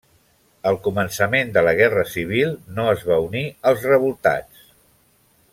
Al començament de la Guerra civil no es va unir als revoltats.